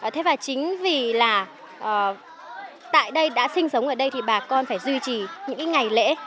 thế và chính vì là tại đây đã sinh sống ở đây thì bà con phải duy trì những cái ngày lễ